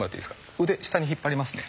腕下に引っ張りますね。